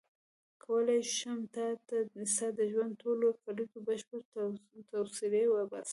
کولای شم تا ته ستا د ژوند د ټولو کلیزو بشپړ تصویر وباسم.